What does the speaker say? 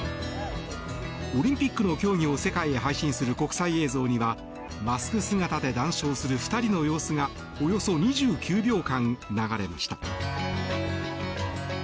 オリンピックの競技を世界へ配信する国際映像にはマスク姿で談笑する２人の様子がおよそ２９秒間流れました。